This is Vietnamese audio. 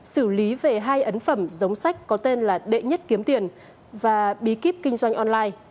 xử lý về hai ấn phẩm giống sách có tên là đệ nhất kiếm tiền và bí kíp kinh doanh online